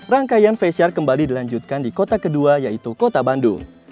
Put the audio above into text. rangkaian face share kembali dilanjutkan di kota kedua yaitu kota bandung